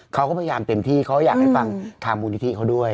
เขาก็พยายามเต็มที่เขาก็อยากให้ฟังความมูลที่ที่เขาด้วย